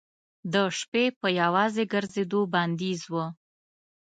د شپې په یوازې ګرځېدو بندیز و.